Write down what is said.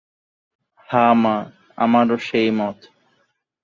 হাঁ মা, আমারও সেই মত।